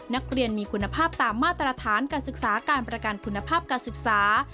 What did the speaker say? นักเรียนมีคุณภาพตามมาตรฐานการศึกษาการประกันคุณภาพการศึกษา